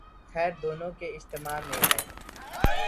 خیر دونوں کے اجتماع میں ہے۔